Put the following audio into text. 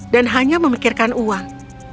dan hanya memikirkan uang